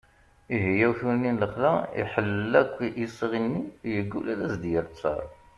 ihi awtul-nni n lexla iḥellel akk isɣi-nni yeggul ad as-d-yerr ttar